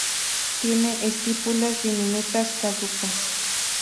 Tiene estípulas diminutas caducas.